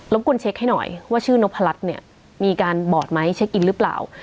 บกวนเช็คให้หน่อยว่าชื่อนพรัชเนี่ยมีการบอดไหมเช็คอินหรือเปล่า